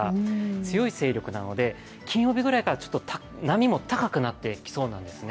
強い勢力なので金曜日ぐらいから波も高くなってきそうなんです。